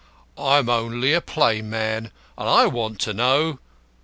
"I am only a plain man and I want to know."